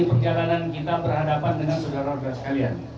perjalanan kita berhadapan dengan saudara saudara sekalian